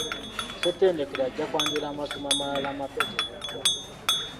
Ssettendekero ajja kwanjula amasomo amalala amapya gye bujja.